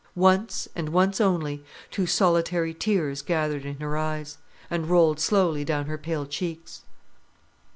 Once, and once only, two solitary tears gathered in her eyes, and rolled slowly down her pale cheeks.